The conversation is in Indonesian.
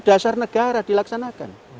dasar negara dilaksanakan